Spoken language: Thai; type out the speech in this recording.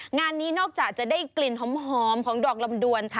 งานนี้นอกจากจะได้กลิ่นหอมของดอกลำดวน